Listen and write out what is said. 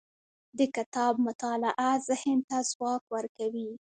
د کتاب مطالعه ذهن ته ځواک ورکوي.